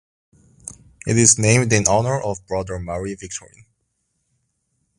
It is named in honour of Brother Marie-Victorin.